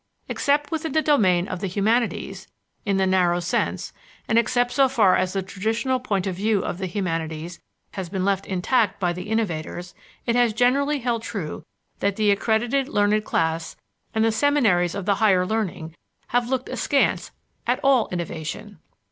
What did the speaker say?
Except within the domain of the "humanities", in the narrow sense, and except so far as the traditional point of view of the humanities has been left intact by the innovators, it has generally held true that the accredited learned class and the seminaries of the higher learning have looked askance at all innovation.